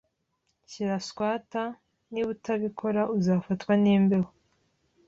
Shyira swater. Niba utabikora, uzafatwa n'imbeho.